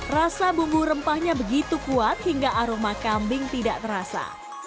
rasa bumbu rempahnya begitu kuat hingga aroma kambing tidak terasa